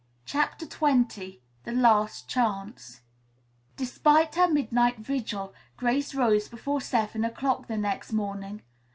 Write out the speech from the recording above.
'" CHAPTER XX THE LAST CHANCE Despite her midnight vigil, Grace rose before seven o'clock the next morning.